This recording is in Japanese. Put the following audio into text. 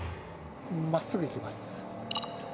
真っすぐいきます。